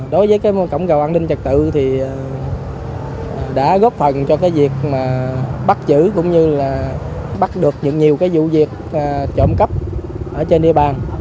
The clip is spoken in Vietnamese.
đối với cái cổng rào an ninh trật tự thì đã góp phần cho cái việc mà bắt giữ cũng như là bắt được những nhiều cái vụ việc trộm cắp ở trên địa bàn